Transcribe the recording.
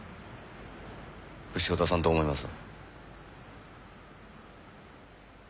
潮田さんどう思います？